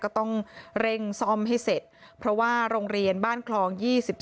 ก็ต้องเร่งซ่อมให้เสร็จเพราะว่าโรงเรียนบ้านคลอง๒๗